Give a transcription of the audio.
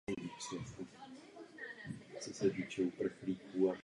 Je to jediná norská činná sopka.